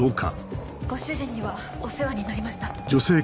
ご主人にはお世話になりました。